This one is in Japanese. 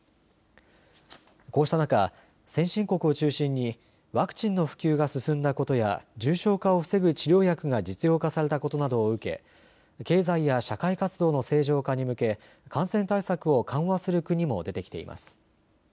こうした中、先進国を中心にワクチンの普及が進んだことや重症化を防ぐ治療薬が実用化されたことなどを受け経済や社会活動の正常化に向け感染対策を緩和する国も出てきています。